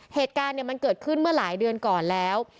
เหตุการณ์มันเกิดขึ้นเมื่อหลายเดือนก่อนแล้ว